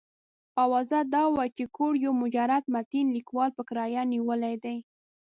اوازه دا وه چې کور یو مجرد متین لیکوال په کرایه نیولی دی.